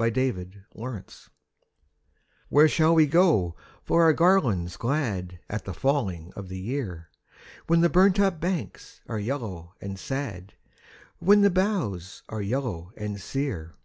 A Song of Autumn "Where shall we go for our garlands glad At the falling of the year, When the burnt up banks are yellow and sad, When the boughs are yellow and sere?